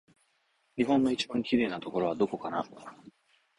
日本の一番きれいなところはどこかな